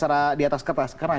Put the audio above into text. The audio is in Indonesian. karena kita lihat australia perancis